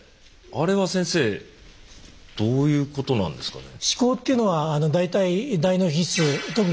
あれは先生どういうことなんですかね。